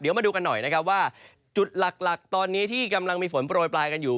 เดี๋ยวมาดูกันหน่อยนะครับว่าจุดหลักตอนนี้ที่กำลังมีฝนโปรยปลายกันอยู่